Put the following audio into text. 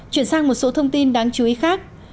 chuyển sang một số thông tin đáng chú ý khác